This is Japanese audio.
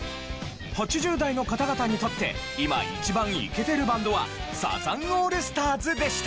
８０代の方々にとって今一番イケてるバンドはサザンオールスターズでした。